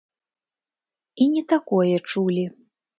І не такое чулі.